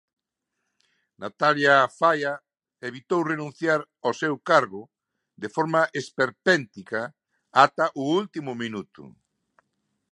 Natalia Faia evitou renunciar ao seu cargo de forma esperpéntica, ata o último minuto.